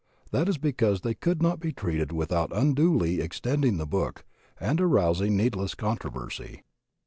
That is because they could not be treated without unduly extending the book and arousing needless con troversy.